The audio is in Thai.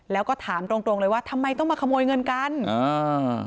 แล้วก็ถามตรงตรงเลยว่าทำไมต้องมาขโมยเงินกันอ่า